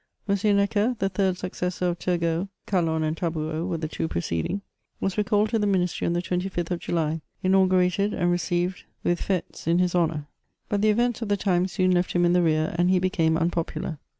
M. Neckkb, the third successor of Turgot (Calonne and Taboureau were the two preceding), was recalled to the ministry on the 26th of July, inaugurated, and received YfiiAifites in his 212 MEMOIRS OF honour ; bat the events of the thne soon left him in the rear, and he became unpopular.